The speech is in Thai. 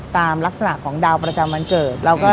ตามลักษณะของดาวประจำวันเกิด